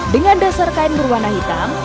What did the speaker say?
dengan dasar kain berwarna hitam